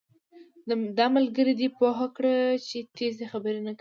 دا ملګری دې پوهه کړه چې تېزي خبرې نه کوي